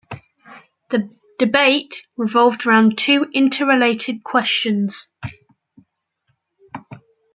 The debate revolved around two inter-related questions.